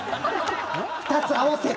２つ合わせる。